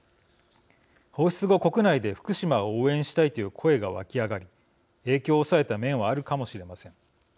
放出後国内で福島を応援したいという声が沸き上がり影響を抑えた面はあるかもしれません。